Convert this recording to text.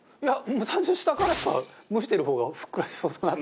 単純に下からさ蒸してる方がふっくらしそうだなって。